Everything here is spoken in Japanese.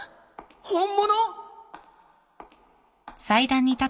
本物！？